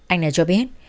anh đã cho biết